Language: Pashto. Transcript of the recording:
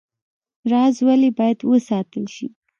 راز ولې باید وساتل شي؟